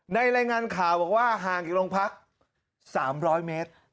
ในรายงานข่าวว่าห่างจากโรงพักษณ์๓๐๐เมตร